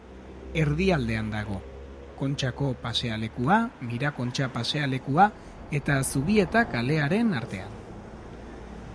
Erdialdean dago, Kontxako pasealekua, Mirakontxa pasealekua eta Zubieta kalearen artean.